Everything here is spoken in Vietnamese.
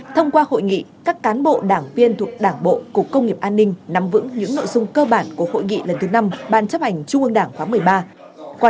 thông qua hội nghị các cán bộ đảng viên thuộc đảng bộ cục công nghiệp an ninh nắm vững những nội dung cơ bản của hội nghị lần thứ năm ban chấp hành trung ương đảng khóa một mươi ba